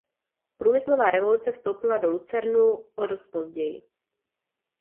Průmyslová revoluce vstoupila do Lucernu o dost později.